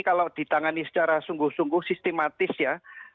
kalau ditangani secara sungguh sungguh sistematis ya